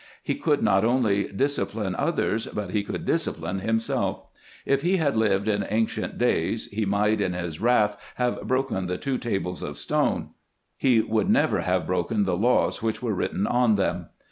He could not only discipline others, but he could discipUne himself. If he had lived in ancient days he might, in his wrath, have broken the two tables of stone: he never would have broken the laws which were wi itten on them.